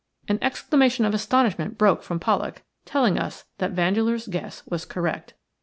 An exclamation of astonishment broke from Pollak, telling us that Vandeleur's guess was correct.